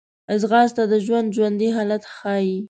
ځغاسته د ژوند ژوندي حالت ښيي